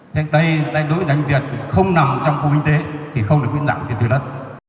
thế đây đây đối với doanh nghiệp không nằm trong khu kinh tế thì không được miễn giảm việc thuê đất